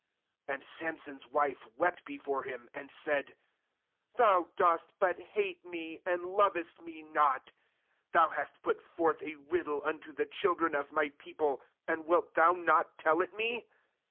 16And Samson's wife wept before him, and said: 'Thou dost but hate me, and lovest me not; thou hast put forth a riddle unto the children of my peo ple, and wilt thou not tell it me?'